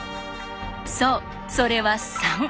そうそれは「３」。